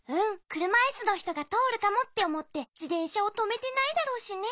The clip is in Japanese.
「くるまいすのひとがとおるかも」っておもってじてんしゃをとめてないだろうしね。